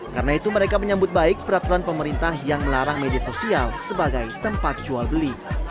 karena itu mereka menyambut baik peraturan pemerintah yang melarang media sosial sebagai tempat jual beli